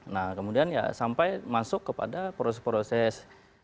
nah kemudian ya sampai masuk kepada proses proses